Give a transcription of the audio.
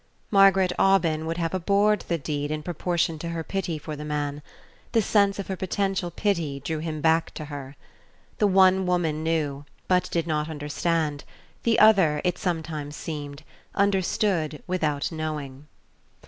Margaret Aubyn would have abhorred the deed in proportion to her pity for the man. The sense of her potential pity drew him back to her. The one woman knew but did not understand; the other, it sometimes seemed, understood without knowing.